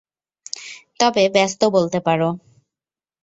তবে ব্যস্ত বলতে পারো।